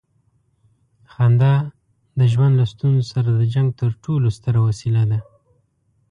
خندا د ژوند له ستونزو سره د جنګ تر ټولو ستره وسیله ده.